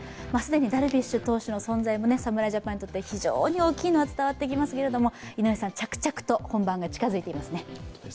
既にダルビッシュ投手の存在も侍ジャパンにとって非常に大きいのが伝わってきますけれども、着々と本番が近づいていますね。